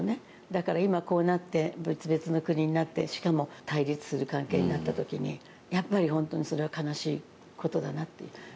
だから、今こうして別々の国になって対立する関係になった時にやっぱり本当にそれは悲しいことだなって。